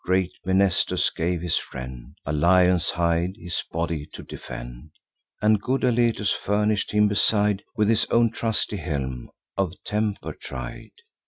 Great Mnestheus gave his friend A lion's hide, his body to defend; And good Alethes furnish'd him, beside, With his own trusty helm, of temper tried.